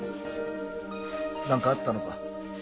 何かあったのか？